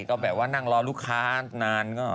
ก็แบบว่านั่งรอลูกค้านานก็